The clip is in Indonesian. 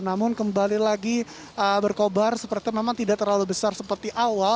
namun kembali lagi berkobar sepertinya memang tidak terlalu besar seperti awal